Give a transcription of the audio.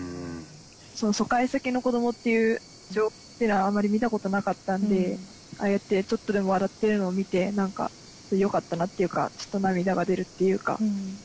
疎開先の子どもっていう情景っていうのはあんまり見たことなかったんでああやってちょっとでも笑ってるのを見て何かよかったなっていうかちょっと涙が出るっていうか。